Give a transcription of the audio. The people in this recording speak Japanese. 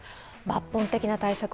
抜本的な対策